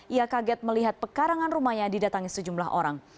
ia kaget melihat pekarangan rumahnya didatangi sejumlah orang